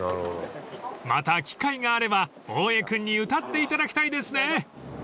［また機会があれば大江君に歌っていただきたいですね］